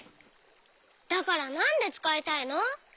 だからなんでつかいたいの？